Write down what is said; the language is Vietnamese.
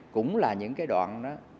cũng là những đoạn